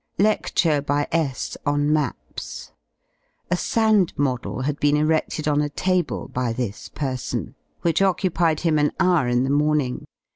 Le(5turc by S on maps. A sand model had been eredled on a table by this person, which occupied him an hour in the morning.